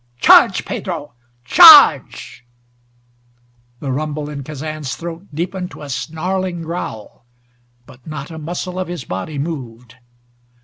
"Charge, Pedro charge!" The rumble in Kazan's throat deepened to a snarling growl, but not a muscle of his body moved.